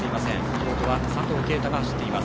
京都は佐藤圭汰が走っています。